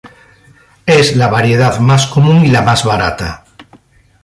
Es la variedad más común y la más barata.